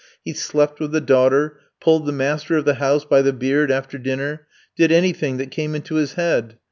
He slept with the daughter, pulled the master of the house by the beard after dinner, did anything that came into his head.